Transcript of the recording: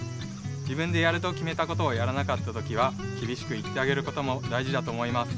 自分でやるときめたことをやらなかった時はきびしく言ってあげることもだいじだと思います。